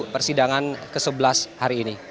persidangan ke sebelas hari ini